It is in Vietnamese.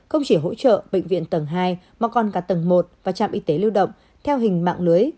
không chỉ hỗ trợ bệnh viện tầng hai mà còn cả tầng một và trạm y tế lưu động theo hình mạng lưới